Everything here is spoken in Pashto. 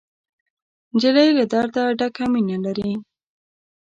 نجلۍ له درده ډکه مینه لري.